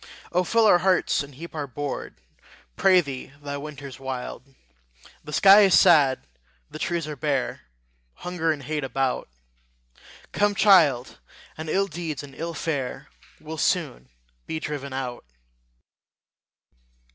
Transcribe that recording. O fill our hearts, and heap our board, Pray thee the winter's wild! The sky is sad, the trees are bare, Hunger and hate about: Come, child, and ill deeds and ill fare Will soon be driven out.